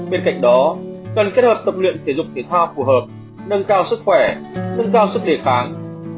bên cạnh đó cần kết hợp tập luyện thể dục thể thao phù hợp nâng cao sức khỏe nâng cao sức đề kháng